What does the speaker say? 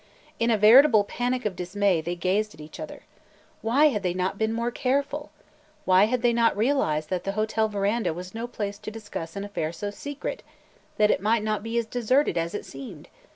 In a veritable panic of dismay, they gazed at each other. Why had they not been more careful? Why had they not realized that the hotel veranda was no place to discuss an affair so secret – that it might not be as deserted as it seemed!